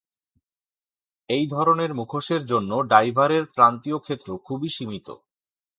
এই ধরনের মুখোশের জন্য ডাইভারের প্রান্তীয় ক্ষেত্র খুবই সীমিত।